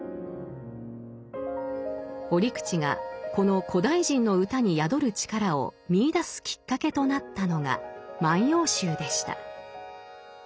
折口がこの古代人の歌に宿る力を見いだすきっかけとなったのが「万葉集」でした。